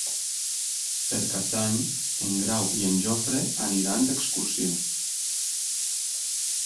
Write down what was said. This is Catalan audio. Per Cap d'Any en Grau i en Jofre aniran d'excursió.